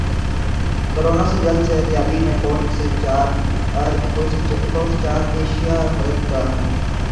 corona سے جلد صحت یابی میں کون سی چار اشیا مددگار ہیں